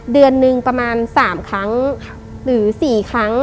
เดือนหนึ่งประมาณ๓ครั้งหรือ๔ครั้ง